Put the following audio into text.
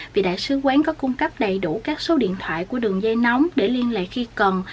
vì đại sứ quán có cung cấp đầy đủ các số điện thoại của đường dây nóng để liên lệ khi cần